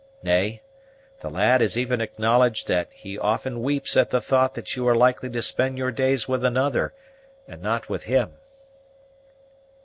Nay, the lad has even acknowledged that he often weeps at the thought that you are likely to spend your days with another, and not with him."